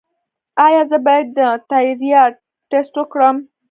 ایا زه باید د تایرايډ ټسټ وکړم؟